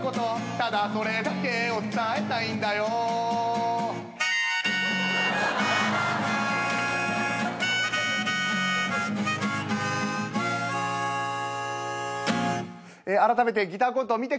「ただそれだけを伝えたいんだよ」あらためてギターコント見てくれるよって人。